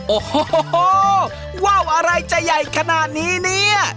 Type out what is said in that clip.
โอ้โหว่าวอะไรจะใหญ่ขนาดนี้เนี่ย